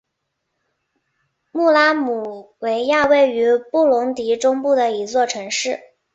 穆拉姆维亚位于布隆迪中部的一座城市。